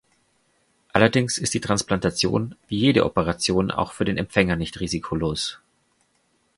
Allerdings ist die Transplantation wie jede Operation auch für den Empfänger nicht risikolos.